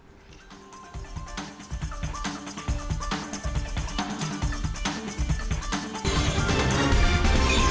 kisah novel baswedan